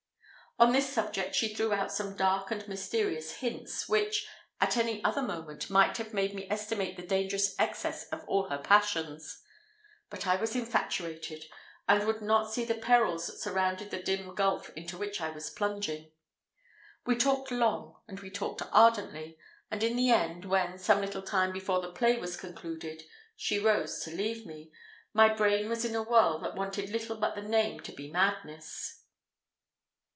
On this subject she threw out some dark and mysterious hints, which, at any other moment, might have made me estimate the dangerous excess of all her passions; but I was infatuated, and would not see the perils that surrounded the dim gulf into which I was plunging. We talked long, and we talked ardently, and in the end, when, some little time before the play was concluded, she rose to leave me, my brain was in a whirl that wanted little but the name to be madness.